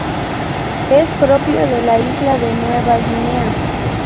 Es propio de la isla de Nueva Guinea.